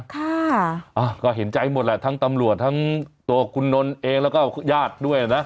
ค่ะอ่าก็เห็นใจหมดแหละทั้งตำรวจทั้งตัวคุณนนท์เองแล้วก็ญาติด้วยนะ